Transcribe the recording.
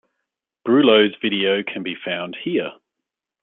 Brulo's video can be found here.